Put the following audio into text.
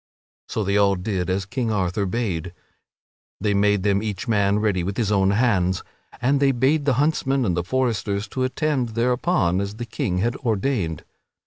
So they all did as King Arthur bade; they made them each man ready with his own hands, and they bade the huntsmen and the foresters to attend thereupon as the King had ordained.